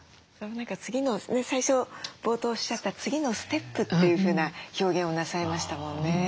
最初冒頭おっしゃった次のステップというふうな表現をなさいましたもんね。